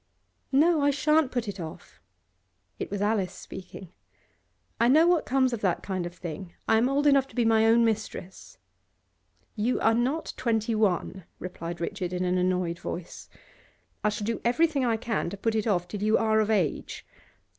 'No, I shan't put it off.' It was Alice speaking. 'I know what comes of that kind of thing. I am old enough to be my own mistress.' 'You are not twenty one,' replied Richard in an annoyed voice. 'I shall do everything I can to put it off till you are of age.